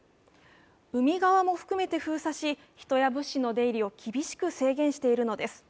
海側も含めて封鎖し、人や物資の出入りを厳しく制限しているのです。